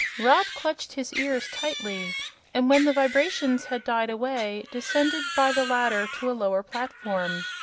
Rob clutched his ears tightly, and when the vibrations had died away descended by the ladder to a lower platform.